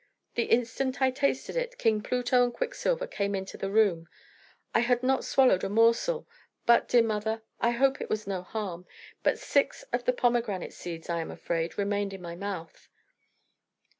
The instant I tasted it, King Pluto and Quicksilver came into the room. I had not swallowed a morsel; but dear mother, I hope it was no harm but six of the pomegranate seeds, I am afraid, remained in my mouth."